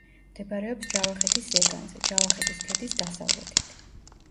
მდებარეობს ჯავახეთის ზეგანზე, ჯავახეთის ქედის დასავლეთით.